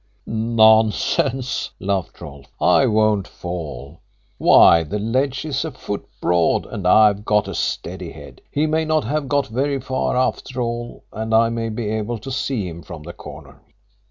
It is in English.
"Nonsense!" laughed Rolfe. "I won't fall. Why, the ledge is a foot broad, and I've got a steady head. He may not have got very far, after all, and I may be able to see him from the corner."